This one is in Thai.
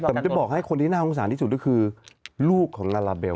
แต่ผมจะบอกให้คนที่น่าสงสารที่สุดก็คือลูกของลาลาเบล